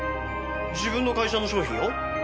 自分の会社の商品を？